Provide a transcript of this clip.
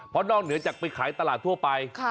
เพราะนอกเหนือจากไปขายตลาดทั่วไป